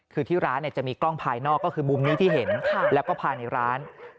คือที่ร้านจะมีกล้องภายนอกก็คือมุมนี้ที่เห็นแล้วก็ภายในร้าน